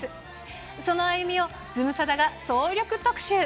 その歩みをズムサタが総力特集。